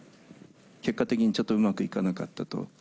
結果的にちょっとうまくいかなかったと。